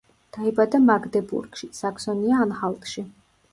დაიბადა მაგდებურგში, საქსონია-ანჰალტში.